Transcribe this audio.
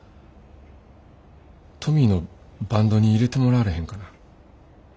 トミーのバンドに入れてもらわれへんかな。